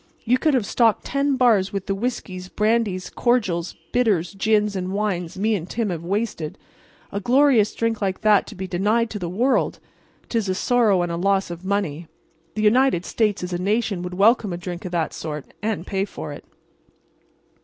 Ye could have stocked ten bars with the whiskies, brandies, cordials, bitters, gins and wines me and Tim have wasted. A glorious drink like that to be denied to the world! 'Tis a sorrow and a loss of money. The United States as a nation would welcome a drink of that sort, and pay for it."